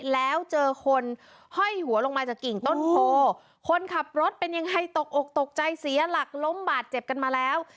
แล้วเจอคนห้อยหัวลงมาจากกิ่งต้นโพคนขับรถเป็นยังไงตกอกตกใจเสียหลักล้มบาดเจ็บกันมาแล้ว